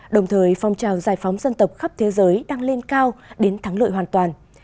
đồng thời phong trào giải phóng dân tộc khắp thế giới đang lên cao đến thắng lợi hoàn toàn